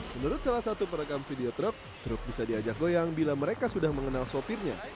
menurut salah satu perekam video truk truk bisa diajak goyang bila mereka sudah mengenal sopirnya